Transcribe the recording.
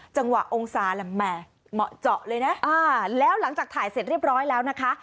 จังหวะองศาแหละแหม่เหมาะเจาะเลยนะแล้วหลังจากถ่ายเสร็จเรียบร้อยแล้วนะคะ